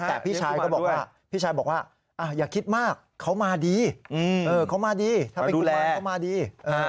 แต่พี่ชายก็บอกว่าพี่ชายบอกว่าอย่าคิดมากเขามาดีเขามาดีถ้าไปดูแลเขามาดี